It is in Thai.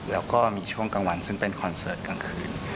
แล้วก็มีช่วงกลางวันซึ่งเป็นคอนเสิร์ตกลางคืน